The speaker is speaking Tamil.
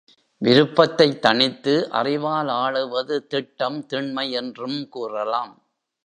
விருப்பத்தைத் தணித்து அறிவால் ஆளுவது திட்டம் திண்மை என்றும் கூறலாம்.